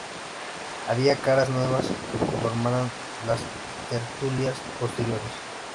Había caras nuevas que conformarán las tertulias posteriores.